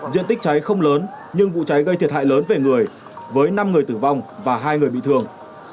diện tích cháy không lớn nhưng vụ cháy gây thiệt hại lớn về người với năm người tử vong và hai người bị thương